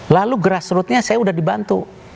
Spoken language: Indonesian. lalu grassrootnya saya sudah dibantu